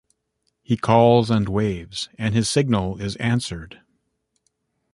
He calls and waves, and his signal is answered.